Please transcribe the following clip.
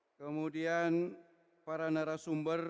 hai kemudian para narasumber